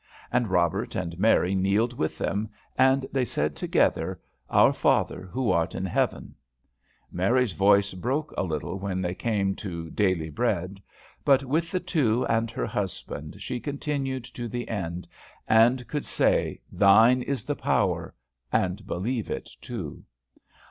And Robert and Mary kneeled with them, and they said together, "Our Father who art in heaven." Mary's voice broke a little when they came to "daily bread," but with the two, and her husband, she continued to the end, and could say "thine is the power," and believe it too.